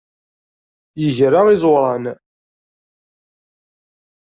Yegra iẓuran.